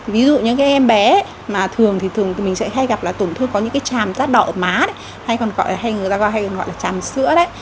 ví dụ như em bé thường mình sẽ hay gặp tổn thương có những tràm rác đỏ ở má hay còn gọi là tràm sữa